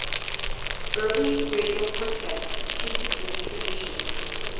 Early radio quartets continued this tradition.